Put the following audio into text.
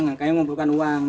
makanya mengumpulkan uang